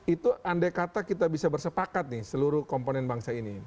itu andai kata kita bisa bersepakat nih seluruh komponen bangsa ini